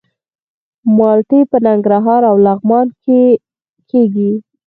مالټې په ننګرهار او لغمان کې کیږي.